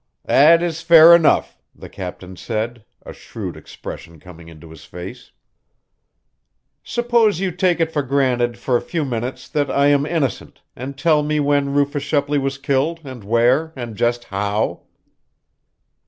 "That is fair enough," the captain said, a shrewd expression coming into his face. "Suppose you take it for granted, for a few minutes, that I am innocent, and tell me when Rufus Shepley was killed, and where, and just how."